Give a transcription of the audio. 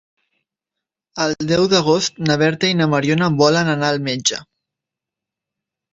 El deu d'agost na Berta i na Mariona volen anar al metge.